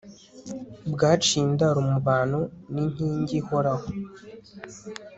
bwaciye indaro mu bantu, ni inkingi ihoraho